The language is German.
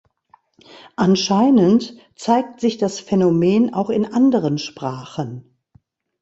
Anscheinend zeigt sich das Phänomen auch in anderen Sprachen.